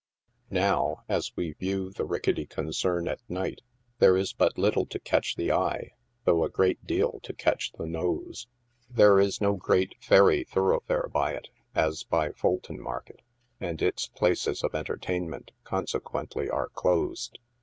Now, as we view the ricketty concern at night, there is but little to catch the eye, though a great deal to catch the nose. There is 52 NIGHT SIDE OF NEW YORK. no great ferry thoroughfare by it, as by Fulton market, and its places of entertainment, consequently, are closed.